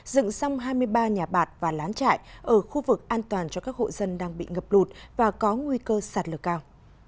dựng xong hai mươi ba nhà bạc và lán trại ở khu vực an toàn cho các hộ dân đang bị ngập lụt và có nguy cơ sạt lở cao